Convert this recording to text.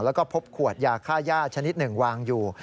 แล้วก็พบขวดยาค่าย่าชนิดหนึ่งวางอยู่